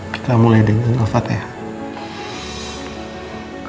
kita mulai dengan alfadah